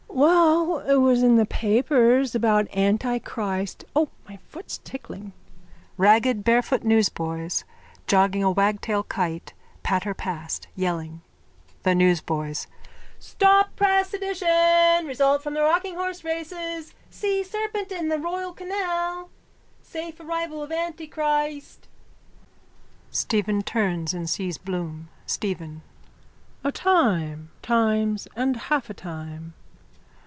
_ Well, it was in the papers about Antichrist. O, my foot's tickling. (Ragged barefoot newsboys, jogging a wagtail kite, patter past, yelling.) THE NEWSBOYS: Stop press edition. Result of the rockinghorse races. Sea serpent in the royal canal. Safe arrival of Antichrist. (Stephen turns and sees Bloom.) STEPHEN: A time, times and half a time.